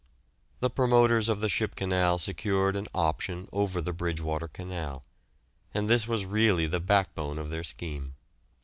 The promoters of the Ship Canal secured an option over the Bridgewater Canal, and this was really the backbone of their scheme.